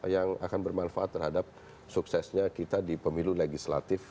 yang akan bermanfaat terhadap suksesnya kita di pemilu legislatif